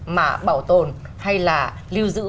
mà bảo tồn hay là lưu giữ